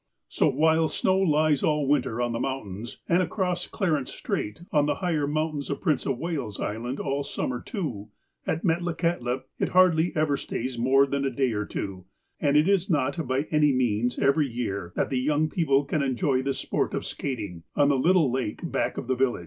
So, while snow lies all winter on the mountains, and across Clarence Strait on the higher mountains of Prince of Wales Island all summer too, at Metlakahtla it hardly ever stays more than a day or two, and it is not by any means every year that the young people can enjoy the sport of skating, on the little lake back of the village.